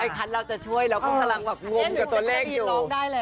ไอ้คัทเราจะช่วยแล้วก็กำลังแบบรวมกับตัวเลขอยู่